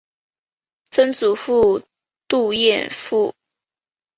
曾祖父杜彦父。